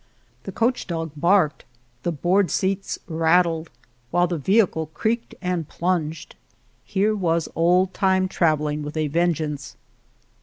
The coach dog barked, the board seats rattled, while the vehicle creaked and plunged. Here was old time travelling with a ven geance.